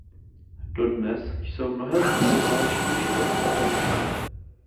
Dodnes jsou mnohé stopy válečných škod patrné.